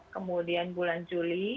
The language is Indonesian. kemudian bulan juli